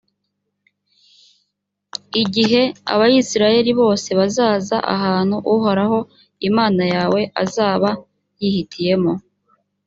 igihe abayisraheli bose bazaza ahantu uhoraho imana yawe azaba yihitiyemo